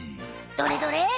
どれどれ？